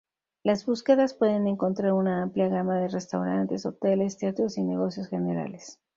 Las búsquedas pueden encontrar una amplia gama de restaurantes, hoteles, teatros y negocios generales.